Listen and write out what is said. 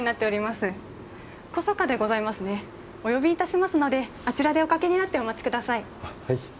お呼びいたしますのであちらでおかけになってお待ちください。